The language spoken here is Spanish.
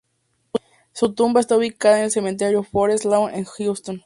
Su tumba está ubicada en el cementerio Forest Lawn en Houston.